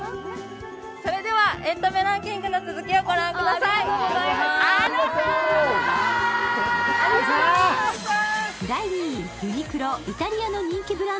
それではエンタメランキングの続きを御覧ください。